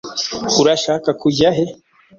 Urashaka kujya he?